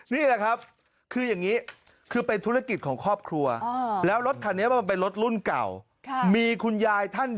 ไม่คุณยายใส่ผ้าถุงใช่ไหมคุณยายเป็นขึ้นทำผ้าถุง